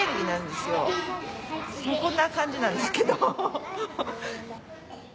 こんな感じなんですけど。